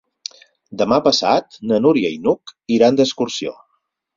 Demà passat na Núria i n'Hug iran d'excursió.